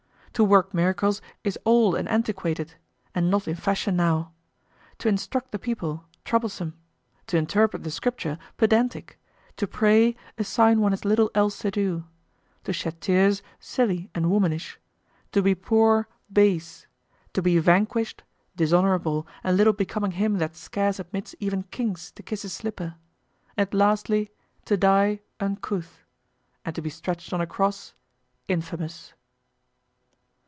To work miracles is old and antiquated, and not in fashion now; to instruct the people, troublesome; to interpret the Scripture, pedantic; to pray, a sign one has little else to do; to shed tears, silly and womanish; to be poor, base; to be vanquished, dishonorable and little becoming him that scarce admits even kings to kiss his slipper; and lastly, to die, uncouth; and to be stretched on a cross, infamous.